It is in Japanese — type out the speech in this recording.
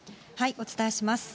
お伝えします。